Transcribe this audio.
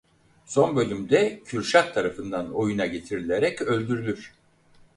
Son bölümde Kürşat tarafından oyuna getirilerek öldürülür.